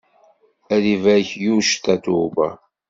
Ad ibarek yuc Tatoeba.